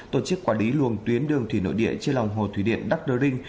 tổ chức quản lý luồng tuyến đường thủy nội địa trên lòng hồ thủy điện đắk đơ linh